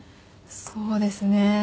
そうですね。